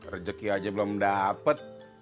rejeki aja belum dapet